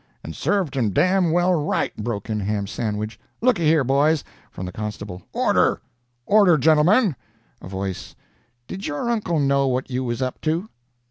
"And served him damned well right!" broke in Ham Sandwich. "Looky here, boys " From the constable: "Order! Order, gentlemen!" A voice: "Did your uncle know what you was up to?"